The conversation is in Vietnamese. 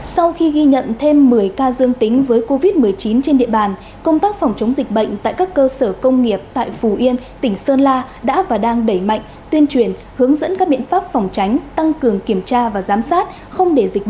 sau khi ghi nhận thêm một mươi ca dương tính với covid một mươi chín trên địa bàn công tác phòng chống dịch bệnh tại các cơ sở công nghiệp tại phù yên tỉnh sơn la đã và đang đẩy mạnh tuyên truyền hướng dẫn các biện pháp phòng tránh tăng cường kiểm tra và giải quyết